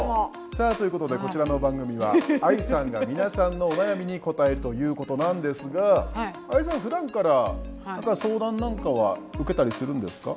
さあということでこちらの番組はＡＩさんが皆さんのお悩みに答えるということなんですがＡＩさんふだんから相談なんかは受けたりするんですか？